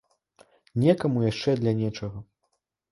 Некаму яшчэ для нечага.